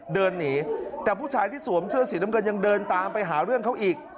เดินหนีแต่ผู้ชายที่สวมเสื้อสีน้ำเงินยังเดินตามไปหาเรื่องเขาอีก